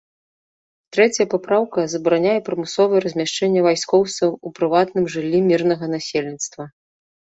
Трэцяя папраўка забараняе прымусовае размяшчэнне вайскоўцаў у прыватным жыллі мірнага насельніцтва.